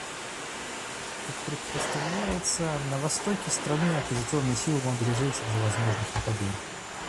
Как представляется, на востоке страны оппозиционные силы мобилизуются для возможных нападений.